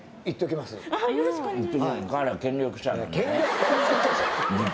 よろしくお願いします。